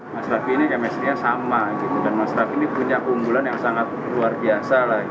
mas raffi ini chemistry nya sama gitu dan mas raffi ini punya keunggulan yang sangat luar biasa lah